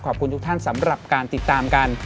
ขอบคุณทุกท่านสำหรับการติดตามกัน